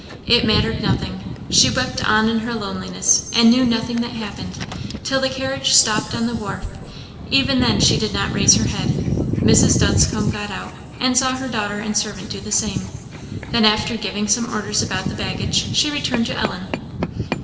It mattered nothing; she wept on in her loneliness, and knew nothing that happened, till the carriage stopped on the wharf; even then she did not raise her head. Mrs. Dunscombe got out, and saw her daughter and servant do the same; then after giving some orders about the baggage, she returned to Ellen.